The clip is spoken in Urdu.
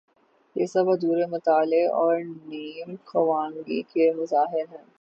یہ سب ادھورے مطالعے اور نیم خوانگی کے مظاہر ہیں۔